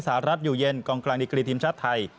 รัฐอยู่เย็นกองกลางดิกรีทีมชาติไทย